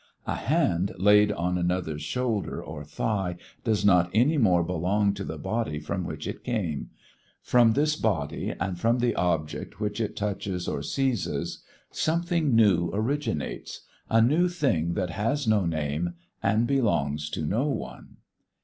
A hand laid on another's shoulder or thigh does not any more belong to the body from which it came, from this body and from the object which it touches or seizes something new originates, a new thing that has no name and belongs to no one.